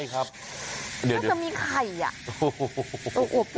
กล้องมีใครอะ